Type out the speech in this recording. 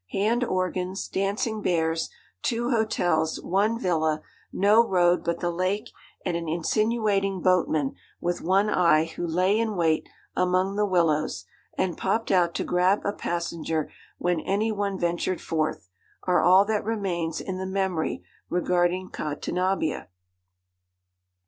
Hand organs, dancing bears, two hotels, one villa, no road but the lake, and an insinuating boatman with one eye who lay in wait among the willows, and popped out to grab a passenger when anyone ventured forth, are all that remains in the memory regarding Cadenabbia.